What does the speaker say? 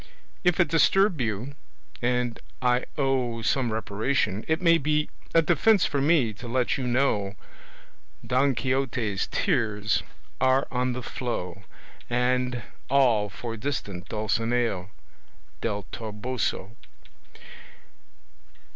If it disturb you, and I owe Some reparation, it may be a Defence for me to let you know Don Quixote's tears are on the flow, And all for distant Dulcinea Del Toboso.